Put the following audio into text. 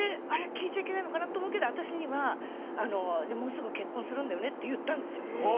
聞いちゃいけないのかな？と思うけど私には「もうすぐ結婚するんだよね」って言ったんですよ。